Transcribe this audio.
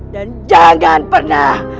dan jangan pernah